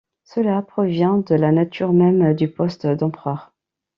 Cela provient de la nature même du poste d'empereur.